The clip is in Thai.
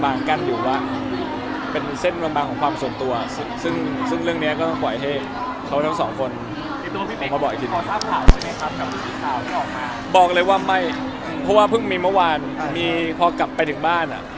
บอกเลยว่าไม่เพราะว่าเพิ่งมีเมื่อวานมีพอกลับไปถึงบ้านอ่ะ